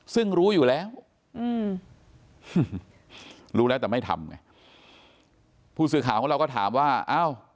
ซึ่งรู้อยู่แล้วอืมรู้แล้วแต่ไม่ทำไงผู้สื่อข่าวของเราก็ถามว่าอ้าว